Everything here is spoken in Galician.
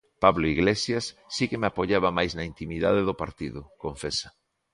Pablo Iglesias si que me apoiaba mais na intimidade do partido, confesa.